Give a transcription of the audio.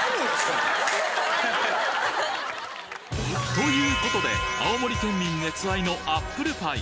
ということで青森県民熱愛のアップルパイ